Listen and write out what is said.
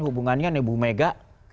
hubungannya ibu mega